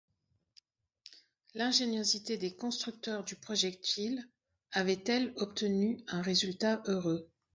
L’ingéniosité des constructeurs du projectile avait-elle obtenu un résultat heureux?